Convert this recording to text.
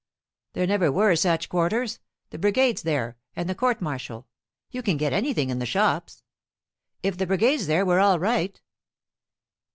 "There never were such quarters. The Brigade's there, and the court martial. You can get anything in the shops." "If the Brigade's there, we're all right."